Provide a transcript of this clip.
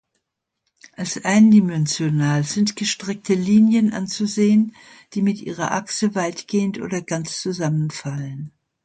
Als eindimensional sind „gestreckte Linien“ anzusehen, die mit ihrer Achse weitgehend oder ganz zusammenfallen.